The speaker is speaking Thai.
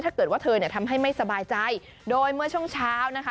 ถ้าเกิดว่าเธอเนี่ยทำให้ไม่สบายใจโดยเมื่อช่วงเช้านะคะ